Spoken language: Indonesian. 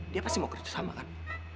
dia pasti mau kerja sama kan